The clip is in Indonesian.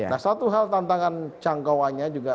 nah satu hal tantangan jangkauannya juga